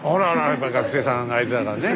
やっぱ学生さんが相手だからね。